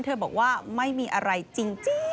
เธอบอกว่าไม่มีอะไรจริง